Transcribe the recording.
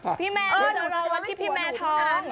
พี่แมร์จะรอวันที่พี่แมร์ทอง